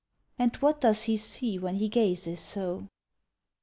. And what does he see when he gazes so?